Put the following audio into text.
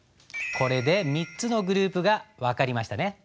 これで３つのグループが分かりましたね。